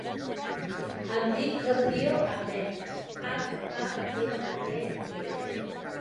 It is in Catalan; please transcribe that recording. Em dic Rocío Hamed: hac, a, ema, e, de.